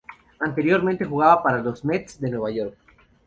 Anteriormente jugaba para los Mets de Nueva York.